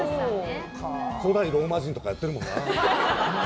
古代ローマ人とかやってるもんな。